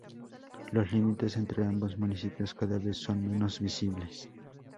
Los límites entre ambos municipios cada vez son menos visibles.